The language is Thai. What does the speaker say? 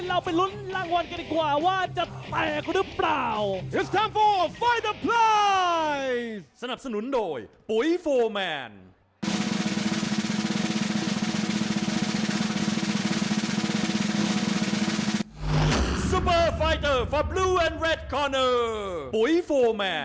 เราไปลุ้นรางวัลกันดีกว่าว่าจะแตกหรือเปล่า